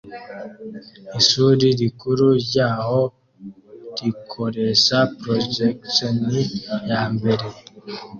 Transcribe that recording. Ishuri rikuru ryaho rikoresha projection yambere